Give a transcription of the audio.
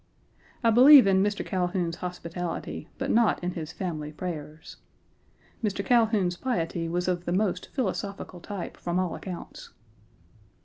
I believe in Mr. Calhoun's hospitality, but not in his family prayers. Mr. Calhoun's piety was of the most philosophical type, from all accounts.